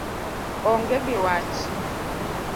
Onge gi wach.